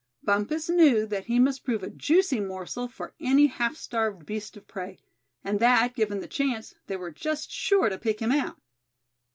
Bumpus knew that he must prove a juicy morsel for any half starved beast of prey; and that, given the chance, they were just sure to pick him out.